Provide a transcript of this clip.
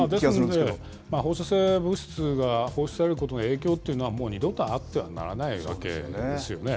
ですので、放射性物質が放出されることの影響というのは、もう二度とあってはならないわけですよね。